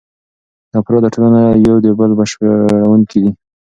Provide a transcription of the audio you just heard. افراد او ټولنه یو د بل بشپړونکي دي.